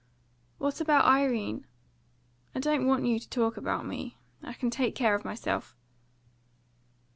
"What about Irene? I don't want you to talk about me. I can take care of myself."